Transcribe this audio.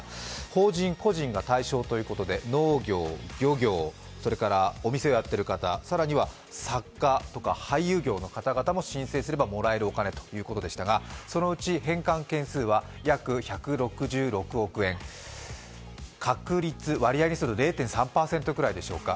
法人、個人が対象ということで農業、漁業それからお店をやっている方、更には作家とか俳優業の方々も申請すればもらえるお金ということでしたがそのうち返還件数は約１６６億円、確率、割合にすると０．３％ぐらいでしょうか。